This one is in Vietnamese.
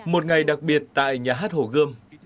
một ngày đặc biệt tại nhà hát hồ gươm